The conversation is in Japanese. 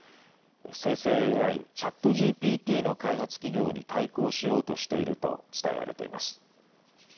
生成ＡＩ、ＣｈａｔＧＰＴの開発企業に対抗しようとしていると伝えられています。